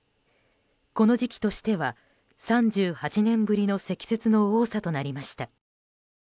この時期としては３８年ぶりの積雪の多さとなりました。